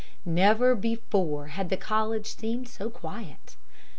Never before had the College seemed so quiet.